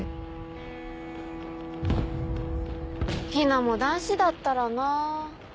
ヒナも男子だったらなぁ。